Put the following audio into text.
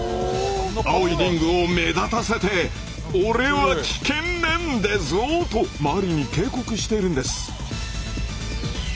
青いリングを目立たせて「オレは危険なんだぞ！」と周りに警告しているんです。